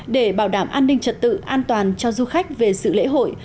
để bảo đảm an ninh trật tự an toàn cho du khách về sự lễ hội